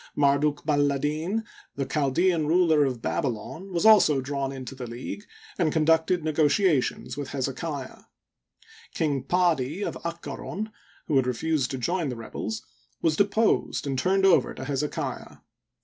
Mardukballadtfit the Chaldean ruler of Babylon, was also drawn into the league and conducted negotiations with Hezekiah. King Pddt, of Akkaron, who had refused to join the rebels, was deposed and turned over to Hezekiah.